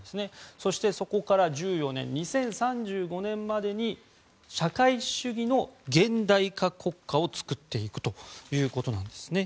そして、そこから１４年２０３５年までに、社会主義の現代化国家を作っていくということです。